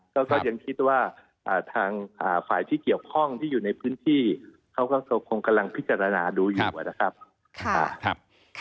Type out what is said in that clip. ก็ยังคิดว่าทางฝ่ายที่เกี่ยวข้องที่อยู่ในพื้นที่เขาก็คงกำลังพิจารณาดูอยู่นะครับ